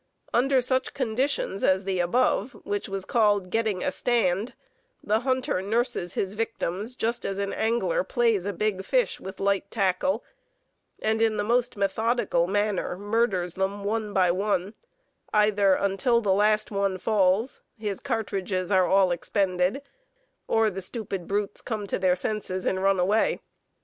Under such conditions as the above, which was called getting "a stand," the hunter nurses his victims just as an angler plays a big fish with light tackle, and in the most methodical manner murders them one by one, either until the last one falls, his cartridges are all expended, or the stupid brutes come to their senses and run away.